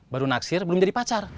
baru naksir belum jadi pacar